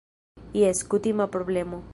Jes, kutima problemo